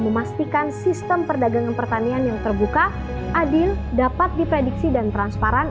memastikan sistem perdagangan pertanian yang terbuka adil dapat diprediksi dan transparan